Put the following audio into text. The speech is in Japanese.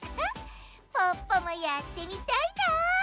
ポッポもやってみたいな！